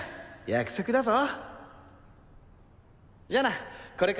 約束だぞ！